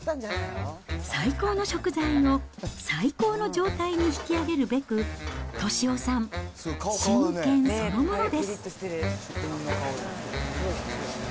最高の食材を最高の状態に引き上げるべく、俊雄さん、真剣そのものです。